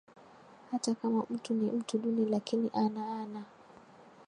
hata kama mtu ni mtu duni lakini ana ana